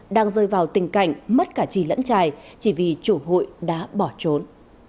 đang rơi vào tình cảnh mất cả chỉ lẫn trài chỉ vì chủ hụi đã bỏ trốn